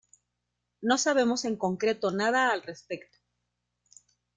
No sabemos en concreto nada al respecto.